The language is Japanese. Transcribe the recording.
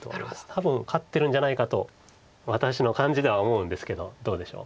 多分勝ってるんじゃないかと私の感じでは思うんですけどどうでしょう。